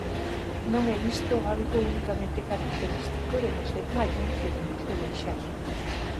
Non é isto algo unicamente característico do mes de maio que vimos de deixar.